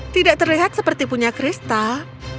tidak terlihat seperti punya kristal